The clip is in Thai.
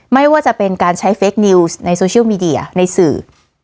ไม่ว่าจะเป็นการใช้เฟคนิวส์ในโซเชียลมีเดียในสื่อ